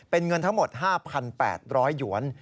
เป็นเงินทั้งหมด๕๘๐๐หยวน